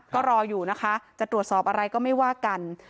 ก็รออยู่นะคะจะตรวจสอบอะไรก็ไม่ว่ากัน